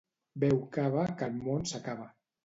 Beu cava, que el món s'acaba.